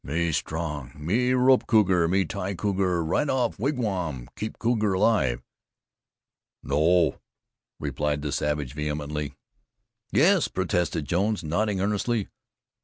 "Me strong; me rope cougar me tie cougar; ride off wigwam, keep cougar alive." "No," replied the savage vehemently. "Yes," protested Jones, nodding earnestly.